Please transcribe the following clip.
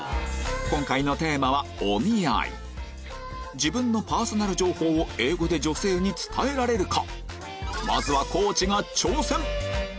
自分のパーソナル情報を英語で女性に伝えられるか？